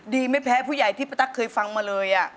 ไม่แพ้ผู้ใหญ่ที่ป้าตั๊กเคยฟังมาเลย